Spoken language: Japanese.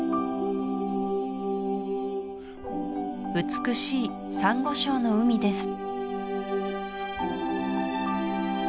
美しいサンゴ礁の海です